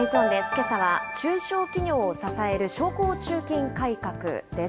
けさは中小企業を支える商工中金改革です。